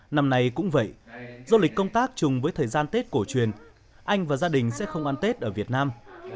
năm nay cũng vậy do lịch công tác chung với thời gian tết cổ truyền anh và gia đình sẽ không ăn tết ở việt nam